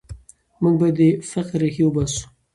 موږ باید د فقر ریښې وباسو.